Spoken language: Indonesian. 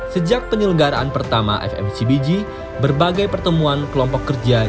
sejak penyelenggaraan pertama fmcbg berbagai pertemuan kelompok kerja